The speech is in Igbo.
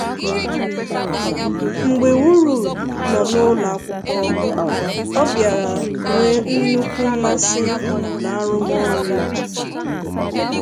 Mgbe WurlD nọ n'ụlọ akwụkwọ, ọ bịara nwee nnukwu mmasị na arụmọrụ egwu.